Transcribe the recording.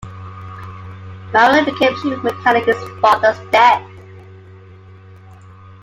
Miron became chief mechanic his father's death.